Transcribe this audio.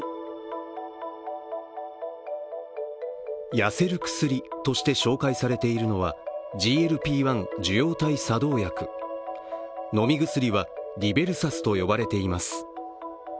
痩せる薬として紹介されているのはＧＬＰ−１受容体作動薬飲み薬は、リベルサスと呼ばれています。